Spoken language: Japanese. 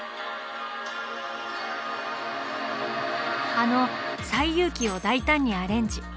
あの「西遊記」を大胆にアレンジ。